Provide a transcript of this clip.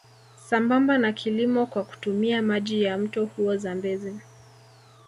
Sambamba na kilimo kwa kutumia maji ya mto huo Zambezi